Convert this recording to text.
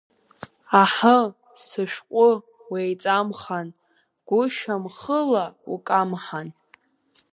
Аҳы, сышәҟәы, уеиҵамхан, гәышьамхыла укамҳан…